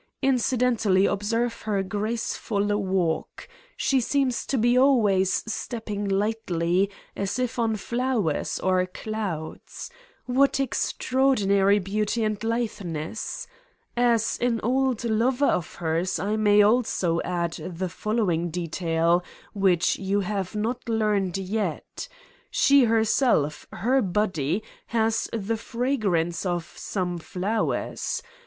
Incidentally, observe her graceful walk: she seems to be always stepping lightly as if on flowers or clouds. What extra ordinary beauty and litheness! As an old lover of hers, r may also add the following detail which you have not learned yet: she herself, her body, has the fragrance of some flowers.